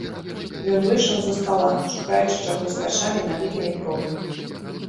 Ён выйшаў з-за стала, шукаючы чагось вачамі, налітымі кроўю.